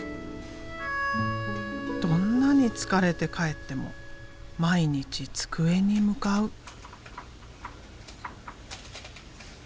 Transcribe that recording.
どんなに疲れて帰っても毎日机に向かう。